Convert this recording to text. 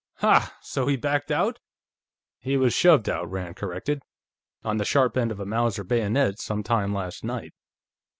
"Ha! So he backed out?" "He was shoved out," Rand corrected. "On the sharp end of a Mauser bayonet, sometime last night.